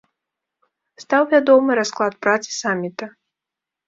Стаў вядомы расклад працы самміта.